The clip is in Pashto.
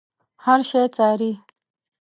هر شی څاري.